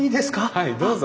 はいどうぞ。